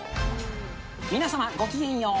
皆様ごきげんよう。